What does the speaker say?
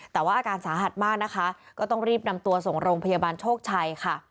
แต่ว่าอาการสาหัสมากนะคะก็ต้องรีบนำตัวส่งโรงพยาบาลโชคชัยค่ะ